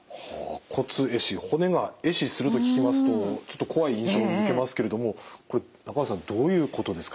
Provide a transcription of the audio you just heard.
骨壊死骨が壊死すると聞きますとちょっと怖い印象を受けますけれども中川さんどういうことですか？